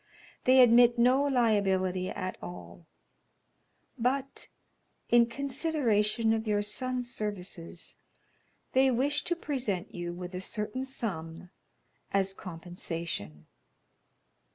"They admit no liability at all, but in consideration of your son's services, they wish to present you with a certain sum as compensation."